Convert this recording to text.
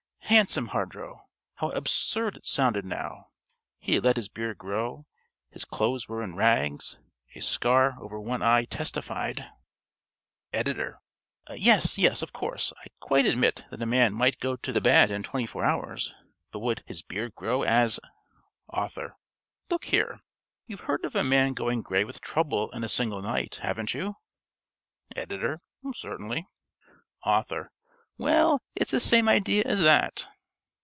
_) Handsome Hardrow! How absurd it sounded now! He had let his beard grow, his clothes were in rags, a scar over one eye testified (~Editor.~ _Yes, yes. Of course, I quite admit that a man might go to the bad in twenty four hours, but would his beard grow as _ ~Author.~ Look here, you've heard of a man going grey with trouble in a single night, haven't you? ~Editor.~ Certainly. ~Author.~ _Well, it's the same idea as that.